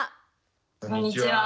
こんにちは。